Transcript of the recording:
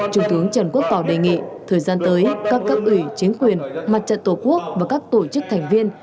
trung tướng trần quốc tỏ đề nghị thời gian tới các cấp ủy chính quyền mặt trận tổ quốc và các tổ chức thành viên